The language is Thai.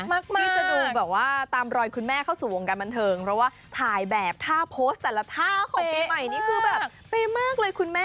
มากมาก